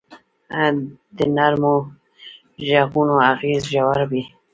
د نرمو ږغونو اغېز ژور وي.